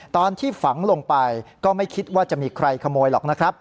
ตอนที่ฝังลงไปก็ไม่คิดว่าจะมีใครขโมยหรอกนะครับ